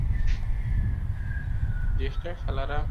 এসব জমিতে সেচ দেওয়ার জন্য শিজক নদীতে একটি সেচযন্ত্র স্থাপন করা হয়েছে।